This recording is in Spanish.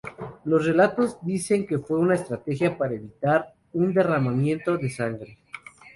Los relatos dicen que fue una estrategia para evitar un derramamiento de sangre.